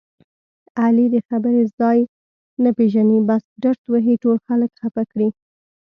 علي د خبرې ځای نه پېژني بس ډرت وهي ټول خلک خپه کړي.